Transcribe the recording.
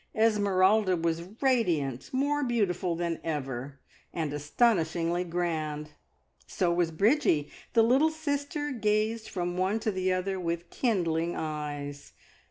Esmeralda was radiant, more beautiful than ever, and astonishingly grand. So was Bridgie! The little sister gazed from one to the other with kindling eyes.